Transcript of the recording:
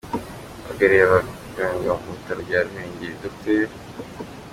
Uhagarariye abaganga mu bitaro bya Ruhengeri, Dr.